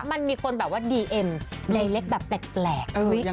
มันมีคนแบบว่าดีเอ็มใดเล็กแบบแปลก